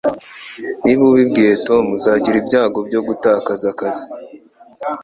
Niba ubibwiye Tom, uzagira ibyago byo gutakaza akazi.